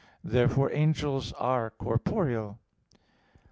Therefore angels are corporeal.